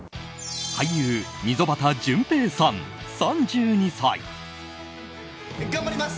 俳優・溝端淳平さん３２歳。